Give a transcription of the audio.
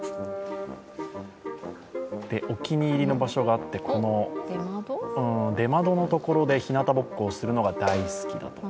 お気に入りの場所があって出窓のところでひなたぼっこをするのが大好きだと。